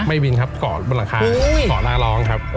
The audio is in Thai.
ไม่บินครับเกาะบ้านหลังคาเกาะร้างร้องครับ